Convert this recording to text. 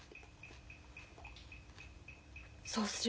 そうする。